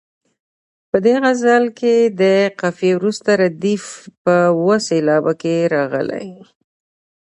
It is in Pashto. په دې غزل کې له قافیې وروسته ردیف په اوه سېلابه کې راغلی.